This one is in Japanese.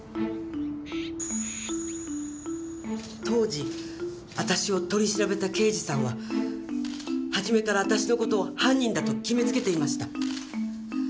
当時私を取り調べた刑事さんは初めから私の事を犯人だと決めつけていました。